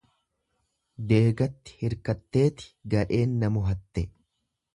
Deegatti hirkatteeti gadheen na mohatte.